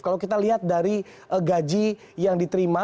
kalau kita lihat dari gaji yang diterima